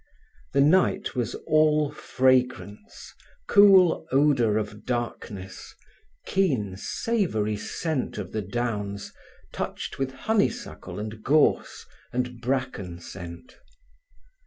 The night was all fragrance, cool odour of darkness, keen, savoury scent of the downs, touched with honeysuckle and gorse and bracken scent.